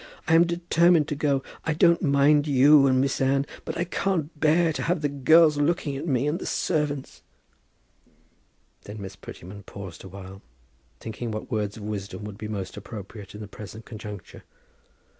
I am determined to go. I don't mind you and Miss Anne, but I can't bear to have the girls looking at me, and the servants." Then Miss Prettyman paused awhile, thinking what words of wisdom would be most appropriate in the present conjuncture.